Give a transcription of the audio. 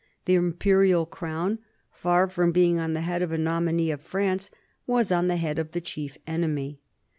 The Imperial crown, far from being on the head of a nominee of France, was on the head of its chief enemy.